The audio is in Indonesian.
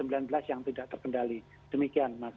covid sembilan belas yang tidak terkendali demikian mas